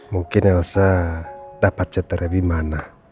mungkin elsa dapat cetarebi mana